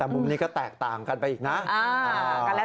มุมนี้ก็แตกต่างกันไปอีกนะ